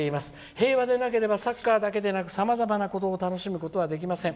平和でなければサッカーだけでなくさまざまなことを楽しむことができません。